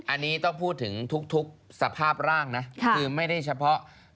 อันนี้ต้องพูดถึงทุกสภาพร่างนะ